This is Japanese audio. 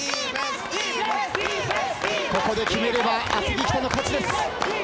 ここで決めれば厚木北の勝ちです。